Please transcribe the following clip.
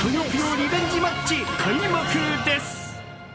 リベンジマッチ開幕です。